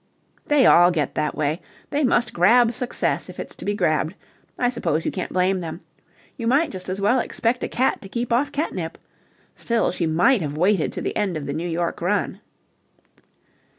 "They all get that way. They must grab success if it's to be grabbed. I suppose you can't blame them. You might just as well expect a cat to keep off catnip. Still, she might have waited to the end of the New York run."